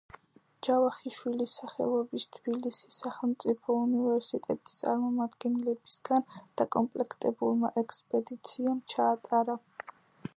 ჯავახიშვილის სახელობის თბილისის სახელმწიფო უნივერსიტეტის წარმომადგენლებისგან დაკომპლექტებულმა ექსპედიციამ ჩაატარა.